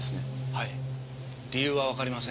はい理由はわかりませんが。